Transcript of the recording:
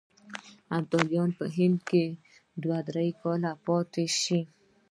ابدالي په هند کې دوه درې کاله پاته شي.